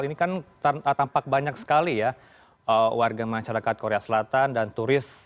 ini kan tampak banyak sekali ya warga masyarakat korea selatan dan turis